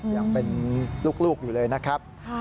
ยังเป็นลูกอยู่เลยนะครับ